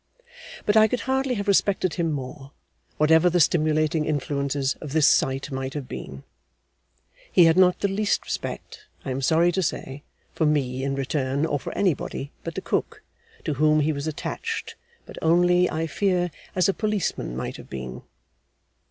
But I could hardly have respected him more, whatever the stimulating influences of this sight might have been. He had not the least respect, I am sorry to say, for me in return, or for anybody but the cook; to whom he was attached but only, I fear, as a Policeman might have been.